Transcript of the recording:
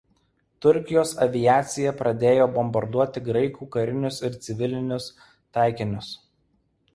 Turkijos aviacija pradėjo bombarduoti graikų karinius ir civilinius taikinius.